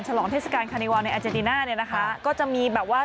ฉลองเทศกาลคาริวอลในอาเจนติน่าเราก็จะมีแบบว่า